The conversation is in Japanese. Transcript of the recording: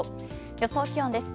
予想気温です。